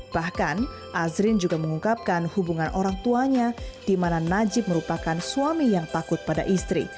bahkan azrin juga mengungkapkan hubungan orang tuanya di mana najib merupakan suami yang takut pada istri